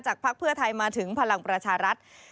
จากภักดิ์เพื่อไทยมาถึงภักดิ์พลังประชารัฐ